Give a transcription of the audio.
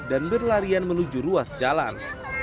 dan berlarian menuju ruas jalan